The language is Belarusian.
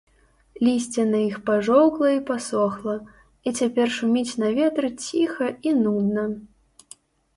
Лісце на іх пажоўкла і пасохла і цяпер шуміць на ветры ціха і нудна.